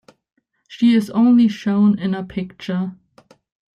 She is only shown in a picture.